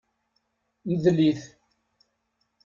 Mdel-it.